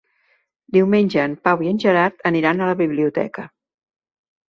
Diumenge en Pau i en Gerard aniran a la biblioteca.